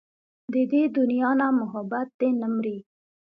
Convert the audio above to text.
د دې دنيا نه محبت دې نه مري